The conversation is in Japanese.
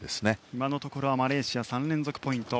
今のところマレーシアは３連続ポイント。